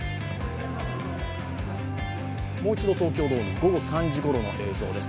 もう一度東京ドーム、午後３時ごろの映像です。